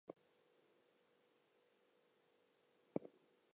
This resulted in early armies' adopting the style of hunter-foraging.